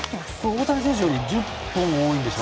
大谷選手より１０本多いんでしょ？